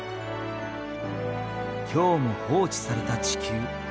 今日も放置された地球。